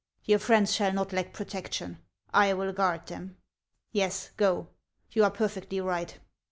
Your friends shall not lack protection ; I will guard them. Yes, go ; you are per fectly right.